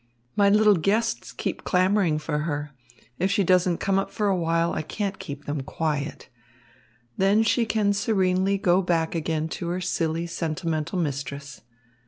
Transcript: "My little guests keep clamouring for her. If she doesn't come up for a while, I can't keep them quiet. Then she can serenely go back again to her silly, sentimental mistress.